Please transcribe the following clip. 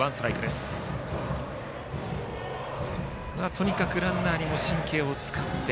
とにかくランナーにも神経を使って。